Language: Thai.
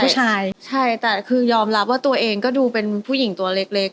ไม่ใช่ใช่แต่คือยอมรับว่าตัวเองก็ดูเป็นผู้หญิงตัวเล็ก